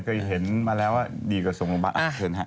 เคยเห็นมาแล้วว่าดีกว่าสวนคุณป้า